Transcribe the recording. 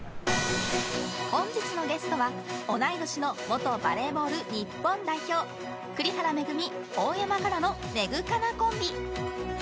本日のゲストは同い年の元バレーボール日本代表栗原恵、大山加奈のメグカナコンビ！